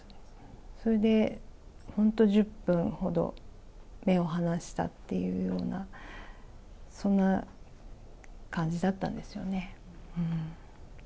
それで本当１０分ほど、目を離したっていうような、そんな感じだったんですよね。